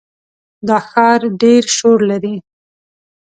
دا ښار ډېر شور لري.